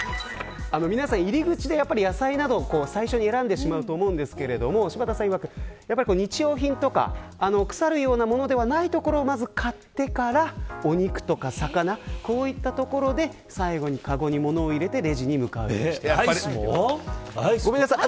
皆さん入り口でやっぱり野菜などを最初に選んでしまうと思うんですが柴田さんいわく日用品とか腐るようなものではないところをまず買ってからお肉とか魚こういったところで最後にかごに物を入れてレジに向かうようにしてください。